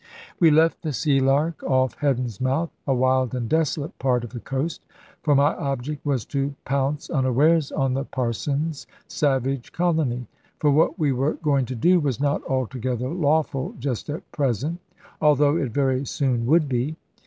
We left the Sealark off Heddon's Mouth, a wild and desolate part of the coast, for my object was to pounce unawares on the Parson's savage colony. For what we were going to do was not altogether lawful just at present, although it very soon would be.